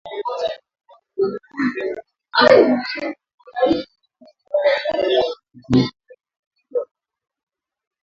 Hii ni mara ya kwanza katika kipindi cha muda mrefu Jeshi la Jamuhuri ya Demokrasia ya Kongo linaishutumu